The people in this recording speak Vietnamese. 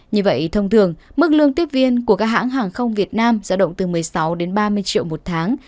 như vậy thông thường mức lương tiếp viên của các hãng hàng không việt nam giao động từ một mươi sáu đến ba mươi triệu một tháng